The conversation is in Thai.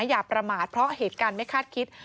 อย่าประมาทเพราะเหตุการณ์ไม่คาดคิด